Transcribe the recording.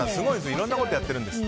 いろんなことやってるんです。